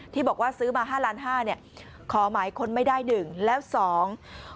ที่บอกว่าซื้อมาห้าล้านห้าเนี่ยขอหมายค้นไม่ได้หนึ่งแล้วสอง